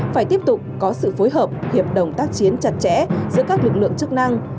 phải tiếp tục có sự phối hợp hiệp đồng tác chiến chặt chẽ giữa các lực lượng chức năng